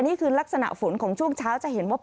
นี่คือลักษณะฝนของช่วงเช้าจะเห็นว่า